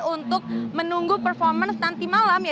untuk menunggu performance nanti malam ya